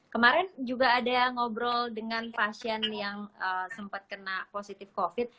kemarin juga ada yang ngobrol dengan pasien yang sempat kena positif covid